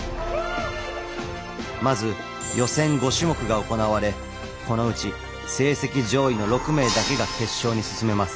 まず予選５種目が行われこのうち成績上位の６名だけが決勝に進めます。